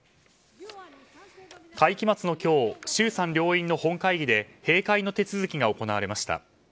会期末の今日衆参両院の本会議で閉会の手続きが行われました。